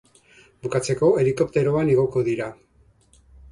Bukatzeko helikopteroan igoko dira.